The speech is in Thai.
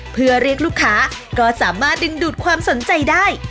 เพื่อเรียกลูกค้าก็สามารถดึงดูดความสนใจได้